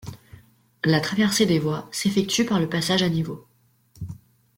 La traversée des voies s'effectue par le passage à niveau.